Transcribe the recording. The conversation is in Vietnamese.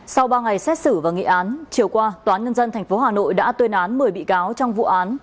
sau ba ngày xét xử và nghị án chiều qua tòa nhân dân tp hà nội đã tuyên án một mươi bị cáo trong vụ án